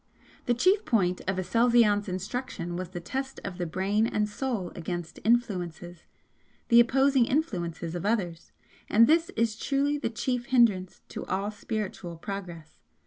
The chief point of Aselzion's instruction was the test of the Brain and Soul against 'influences' the opposing influences of others and this is truly the chief hindrance to all spiritual progress.